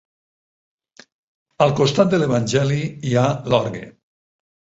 Al costat de l'evangeli hi ha l'orgue.